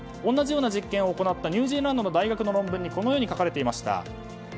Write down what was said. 同じような実験を行ったニュージーランドの大学の論文にこのように書かれていました。